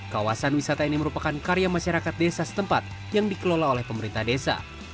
kawasan wisata ini merupakan karya masyarakat desa setempat yang dikelola oleh pemerintah desa